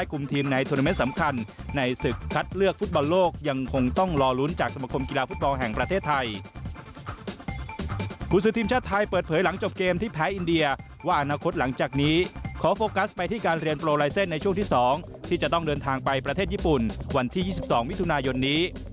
คุณสือทีมชาติไทยเปิดเผยหลังจบเกมที่แพ้อินเดียว่าอนาคตหลังจากนี้ขอโฟกัสไปที่การเรียนโปรไลเซ็นต์ในช่วงที่๒ที่จะต้องเดินทางไปประเทศญี่ปุ่นวันที่๒๒มิถุนายนนี้